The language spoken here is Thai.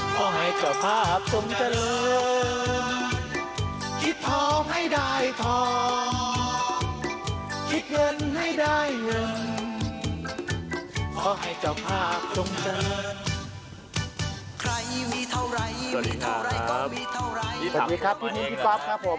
สวัสดีค่ะครับสวัสดีครับที่มีพี่ก๊อฟครับผม